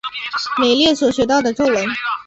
美列所学到的咒文。